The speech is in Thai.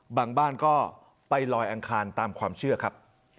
บางบ้านก็ไปลอยอังคารตามความเชื่อครับ